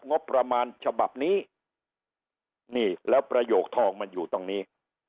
งบประมาณฉบับนี้นี่แล้วประโยคทองมันอยู่ตรงนี้